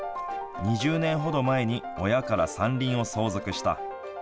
２０年ほど前に親から山林を相続した。